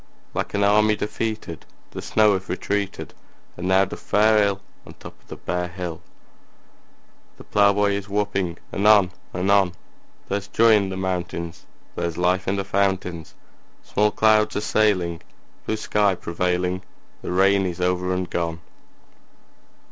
Like an army defeated The snow hath retreated, And now doth fare ill On the top of the bare hill; The plowboy is whooping anon anon: There's joy in the mountains; There's life in the fountains; Small clouds are sailing, Blue sky prevailing; The rain is over and gone!